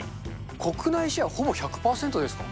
国内シェアほぼ１００％ですか？